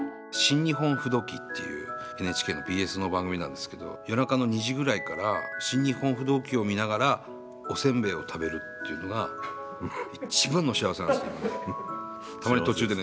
「新日本風土記」っていうＮＨＫのＢＳの番組なんですけど夜中の２時くらいから「新日本風土記」を見ながらおせんべいを食べるってのが一番の幸せなんです。